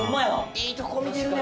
いいとこ見てるね！